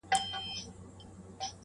ازادۍ ږغ اخبار د هر چا لاس کي ګرځي,